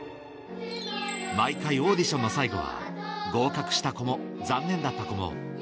毎回オーディションの最後は合格した子も残念だった子も